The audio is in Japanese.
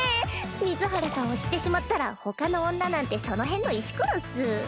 水原さんを知ってしまったらほかの女なんてその辺の石ころっス。